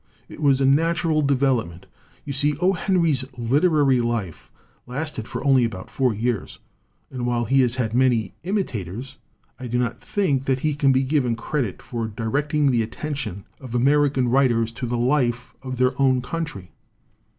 It was a natural development. You see, O. Henry's liter ary life lasted for only about four years, and while he has had many imitators, I do not think that he can be given credit for directing the at tention of American writers to the life of their own country.